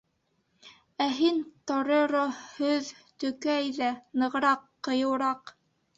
Ә һин, Тореро, һөҙ, төкө әйҙә, нығыраҡ, ҡыйыуыраҡ.